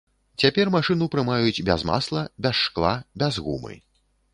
Цяпер машыну прымаюць без масла, без шкла, без гумы.